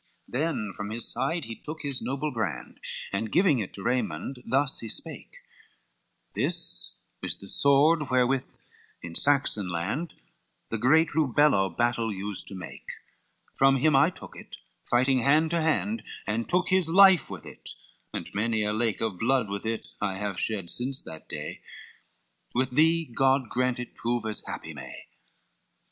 LXXII Then from his side he took his noble brand, And giving it to Raymond, thus he spake: "This is the sword wherewith in Saxon land, The great Rubello battle used to make, From him I took it, fighting hand to hand, And took his life with it, and many a lake Of blood with it I have shed since that day, With thee God grant it proves as happy may."